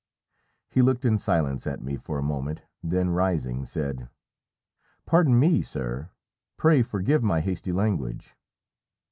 He looked in silence at me for a moment, then rising, said "Pardon me, sir; pray forgive my hasty language."